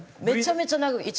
めちゃめちゃ長く。